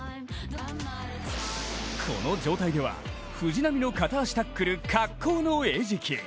この状態では藤波の片足タックル格好の餌食。